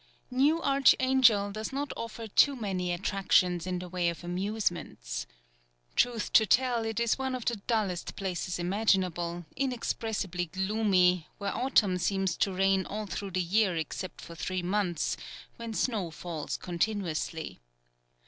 New Archangel does not offer too many attractions in the way of amusements. Truth to tell, it is one of the dullest places imaginable, inexpressibly gloomy, where autumn seems to reign all through the year except for three months, when snow falls continuously.